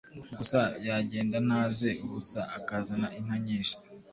gusa yagenda ntaze ubusa, akazana inka nyinshi;